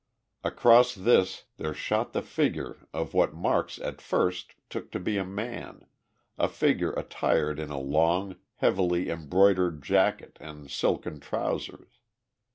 Across this there shot the figure of what Marks at first took to be a man a figure attired in a long, heavily embroidered jacket and silken trousers.